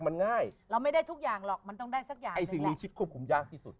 มันง่ายเราไม่ได้ทุกอย่างหรอกมันต้องได้สักอย่างไอ้สิ่งมีชิดควบคุมยากที่สุด